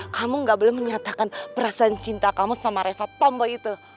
kamu gak boleh menyatakan perasaan cinta kamu sama reva tompo itu